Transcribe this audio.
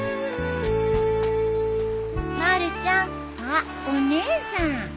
まるちゃん。あっお姉さん。